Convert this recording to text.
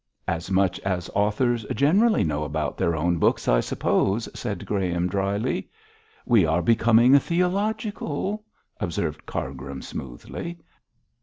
'As much as authors generally know about their own books, I suppose,' said Graham, drily. 'We are becoming theological,' observed Cargrim, smoothly.